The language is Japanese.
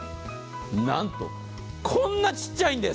なんとこんなちっちゃいんです。